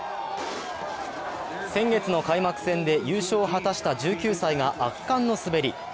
先月の開幕戦で優勝を果たした１９歳が圧巻の滑り